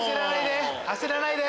焦らないで！